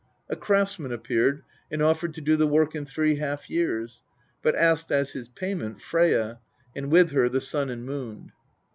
A craftsman appeared and offered to do the work in three half years, but asked as his payment Freyja, and with her the Sun and Moon.